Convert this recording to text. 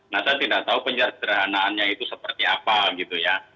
nah saya tidak tahu penyerderhanaannya itu seperti apa gitu ya